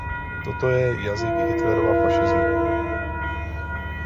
Toto je jazyk Hitlerova fašismu.